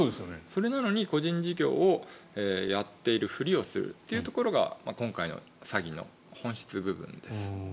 それなのに個人事業をやっているふりをするというところが今回の詐欺の本質部分です。